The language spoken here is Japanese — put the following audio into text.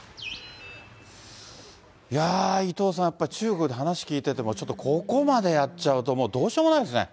伊藤さん、やっぱり中国で話聞いてても、ちょっとここまでやっちゃうともう、どうしようもないですね。